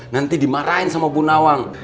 nanti dimarahin sama bu nawang